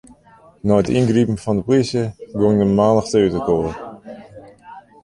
Nei it yngripen fan 'e polysje gong de mannichte útinoar.